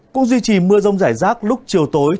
cũng duy trì mưa rông rải rác lúc chiều tối